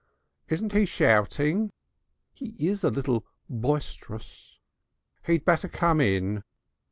"Isn't he shouting?" "He is a little boisterous." "He'd better come in."